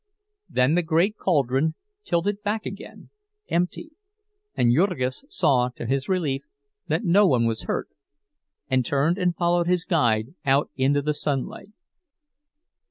Then the great caldron tilted back again, empty, and Jurgis saw to his relief that no one was hurt, and turned and followed his guide out into the sunlight.